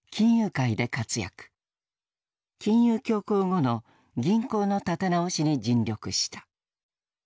金融恐慌後の銀行の建て直しに尽力した。